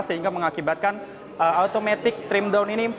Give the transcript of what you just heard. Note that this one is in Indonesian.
sehingga mengakibatkan automatic trim down ini